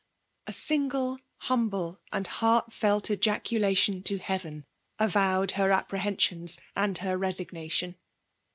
A single humble and heart* Celt cjaeulation to Heaven avowed her afqpre* heasions and her resigBatioa.